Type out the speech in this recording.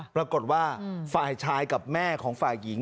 ปรากฏว่าฝ่ายชายกับแม่ของฝ่ายหญิง